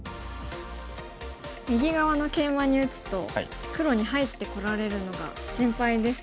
右側のケイマに打つと黒に入ってこられるのが心配です。